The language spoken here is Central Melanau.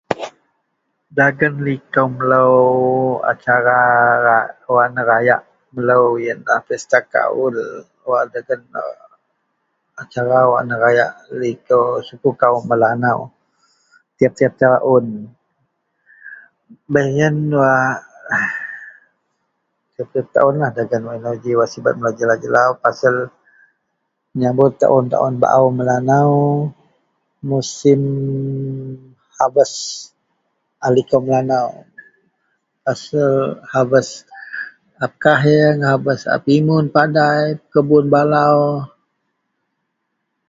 Dagen likou melo acara wak neraya melo ialah pesta kaul tiap-tiap tahun baih da tau ji inou bak sibat melo jelau jelau ji menyambut tahun musim harvest laei likou melanau a pimun padai to pimun balau.